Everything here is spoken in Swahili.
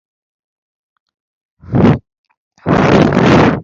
ikiwa ina ukubwa wa eneo la mraba la Kilometa